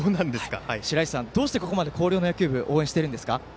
しらいしさん、どうしてここまで広陵の野球部を応援しているのですか。